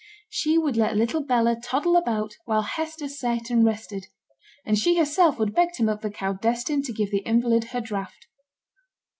She would let little Bella toddle about while Hester sate and rested: and she herself would beg to milk the cow destined to give the invalid her draught.